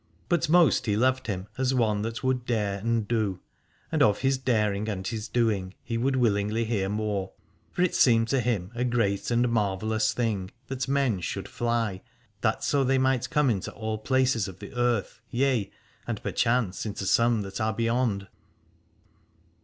But most he loved him as one that would dare and do, and of his daring and his doing he would willingly hear more : for it seemed to him a great and marvellous thing that men should fly, that so they might come into all places of the earth, yea, and perchance into some that are beyond.